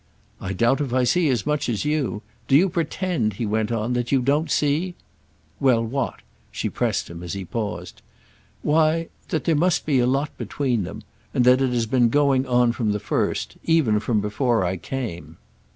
"I doubt if I see as much as you. Do you pretend," he went on, "that you don't see—?" "Well, what?"—she pressed him as he paused. "Why that there must be a lot between them—and that it has been going on from the first; even from before I came."